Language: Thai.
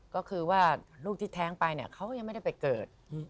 ก็คือว่าลูกที่แท้งไปเนี่ยเขาก็ยังไม่ได้ไปเกิด